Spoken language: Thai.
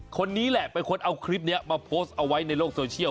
คนนี้แหละเป็นคนเอาคลิปนี้มาโพสต์เอาไว้ในโลกโซเชียล